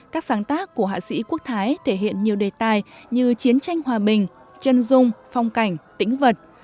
các sáng tác của họa sĩ quốc thái thể hiện nhiều đề tài như chiến tranh hòa bình chân dung phong cảnh tĩnh vật